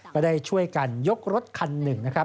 ก็ได้ช่วยกันยกรถคันหนึ่งนะครับ